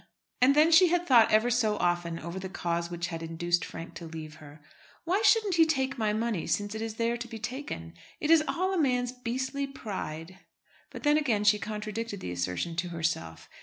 And then she had thought ever so often over the cause which had induced Frank to leave her. "Why shouldn't he take my money, since it is here to be taken? It is all a man's beastly pride!" But then again she contradicted the assertion to herself.